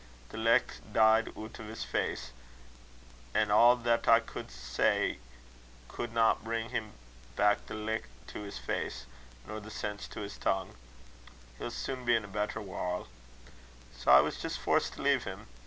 The licht deed oot o' his face, an' a' that I could say could na' bring back the licht to his face, nor the sense to his tongue. He'll sune be in a better warl'. Sae I was jist forced to leave him.